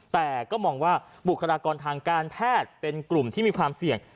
แต่ก็มองว่าบุคลากรทางการแพทย์เป็นกลุ่มที่มีความเสี่ยง